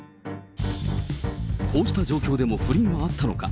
こうした状況でも不倫はあったのか。